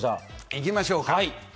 行きましょうか。